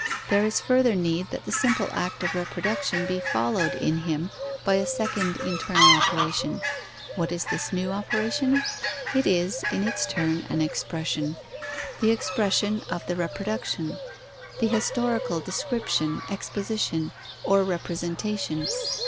There is further need that the simple act of reproduction be followed in him by a second internal operation. What is this new operation? It is, in its turn, an expression: the expression of the reproduction; the historical description, exposition, or representation.